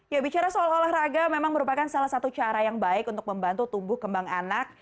ya bicara soal olahraga memang merupakan salah satu cara yang baik untuk membantu tumbuh kembang anak